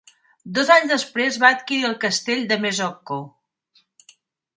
Dos anys després va adquirir el castell de Mesocco.